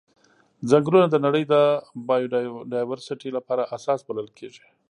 ځنګلونه د نړۍ د بایوډایورسټي لپاره اساس بلل کیږي.